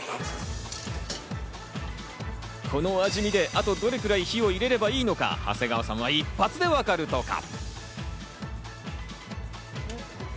この味見でどれぐらい火を入れればいいのか、長谷川さんは一発でわかるとか。